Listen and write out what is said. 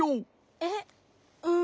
えっうん。